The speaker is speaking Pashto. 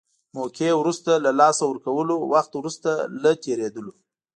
موقعه وروسته له لاسه ورکولو، وخت وروسته له تېرېدلو.